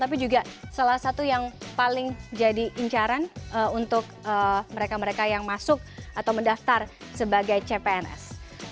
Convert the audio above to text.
tapi juga salah satu yang paling jadi incaran untuk mereka mereka yang masuk atau mendaftar sebagai cpns